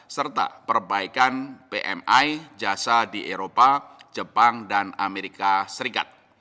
serta perbaikan pmi jasa di eropa jepang dan amerika serikat